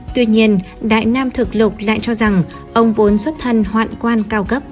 tuy nhiên đại nam thực lục lại cho rằng ông vốn xuất thân hoạn quan cao cấp